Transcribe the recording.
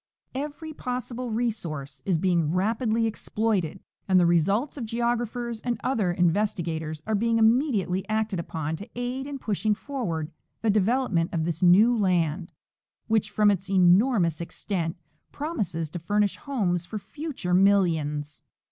Every possible resource is being rapidly exploited, and the results of geographers and other in vestigators are being immediately acted upon to aid in pushing forward the development of this new land, which from its enormous extent promises to furnish homes for future millions.